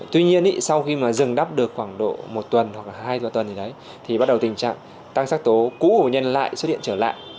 tuy nhiên sau khi dừng đắp được khoảng độ một tuần hoặc hai tuần thì bắt đầu tình trạng tăng sắc tố cũ của bệnh nhân lại xuất hiện trở lại